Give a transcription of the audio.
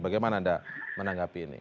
bagaimana anda menanggapi ini